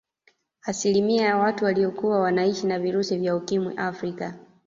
Asilimia ya watu waliokuwa wanaishi na virusi vya Ukimwi Afrika